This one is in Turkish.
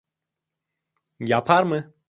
Yapar mı?